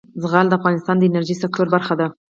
زغال د افغانستان د انرژۍ سکتور برخه ده.